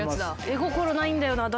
絵心ないんだよなあ。